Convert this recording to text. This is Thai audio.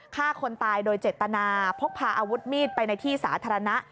ฆ่าคนตายโดยเจตนาพกพาอาวุธมีดไปในที่สาธารณะ